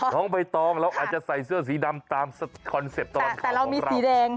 ห้องไปตองแล้วอาจจะใส่เสื้อสีดำตามคอนเซ็ปต์ตอนข่าวของเรา